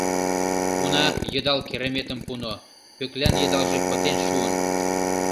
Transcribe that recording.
Уна, йыдал кереметым пуно, Пӧклан йыдалже пытен шуын.